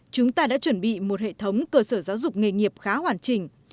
chúng ta đã chuẩn bị một hệ thống cơ sở giáo dục nghề nghiệp khá hoàn chỉnh